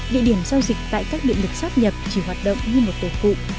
địa điểm giao dịch tại các điện lực sắp nhập chỉ hoạt động như một tổ cụ